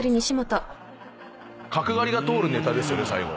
角刈りが通るネタですよね最後。